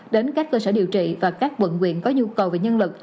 đến các cơ sở điều trị và các quận quyện có nhu cầu về nhân lực